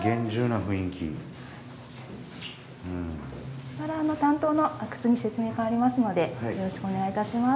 ここから担当の阿久津に説明かわりますのでよろしくお願いいたします。